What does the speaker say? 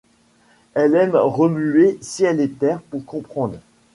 Elle aime remuer ciel et terre pour comprendre.